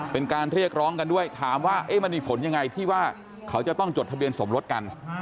เป็นการเรียกร้องกันด้วยถามว่ามันมีผลยังไงที่ว่าเขาจะต้องจดทะเบียนสมรสกัน